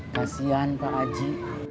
kasian pak haji